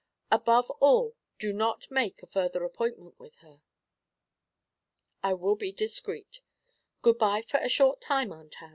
Above all, do not make a further appointment with her.' 'I will be discreet. Good bye for a short time, Aunt Ann.'